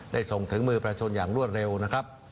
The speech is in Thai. ส่งถึงมือประชาชนอย่างรวดเร็วนะครับ